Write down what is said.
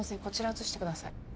こちら写してください